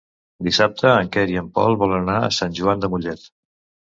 Dissabte en Quer i en Pol volen anar a Sant Joan de Mollet.